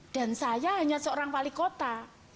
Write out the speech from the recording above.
dan saya hanya seorang palikota